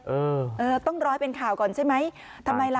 เออเออต้องรอให้เป็นข่าวก่อนใช่ไหมทำไมล่ะ